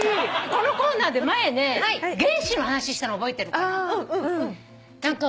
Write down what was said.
このコーナーで前ね原子の話したの覚えてるかな？